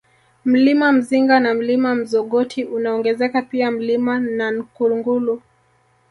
Mlima Mzinga na Mlima Mzogoti unaongezeka pia Mlima Nankungulu